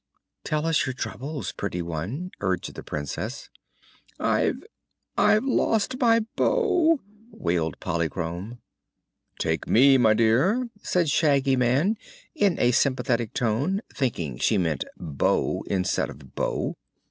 "Tell us your troubles, pretty one," urged the Princess. "I I've lost my bow!" wailed Polychrome. "Take me, my dear," said Shaggy Man in a sympathetic tone, thinking she meant "beau" instead of "bow."